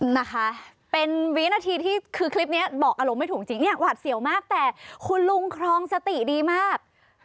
นะคะเป็นวินาทีที่คือคลิปนี้บอกอารมณ์ไม่ถูกจริงเนี่ยหวาดเสียวมากแต่คุณลุงครองสติดีมาก